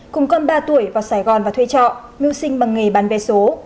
cùng con ba tuổi vào sài gòn và thuê trọ mưu sinh bằng nghề bán vé số